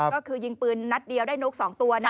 ก็คือยิงปืนนัดเดียวได้นก๒ตัวนะ